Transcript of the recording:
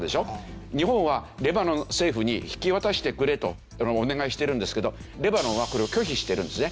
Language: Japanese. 日本はレバノン政府に引き渡してくれとお願いしているんですけどレバノンはこれを拒否しているんですね。